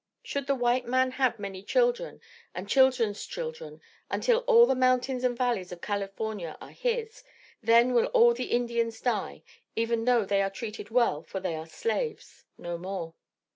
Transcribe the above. Should the white man have many children and children's children until all the mountains and valleys of California are his, then will all the Indians die, even though they are treated well for they are slaves no more.